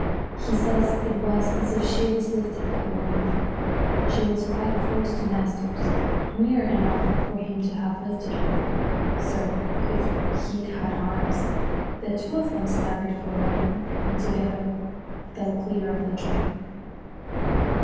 He says it was as if she was lifted by the wind. She was quite close to Masters. "Near enough for him to have lifted her, sir, if he'd had arms." The two of them staggered for a moment, and together fell clear of the train.